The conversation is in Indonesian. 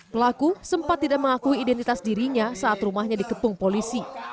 pelaku sempat tidak mengakui identitas dirinya saat rumahnya dikepung polisi